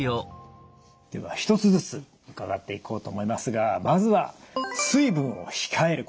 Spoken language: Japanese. では一つずつ伺っていこうと思いますがまずは水分を控える。